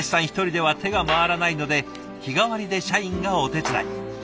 一人では手が回らないので日替わりで社員がお手伝い。